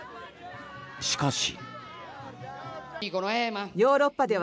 しかし。